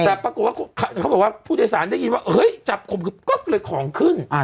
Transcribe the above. แต่ปรากฏว่าเขาบอกว่าผู้โดยสารได้ยินว่าเฮ้ยจับข่มขึบก็เลยของขึ้น